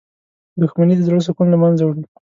• دښمني د زړه سکون له منځه وړي.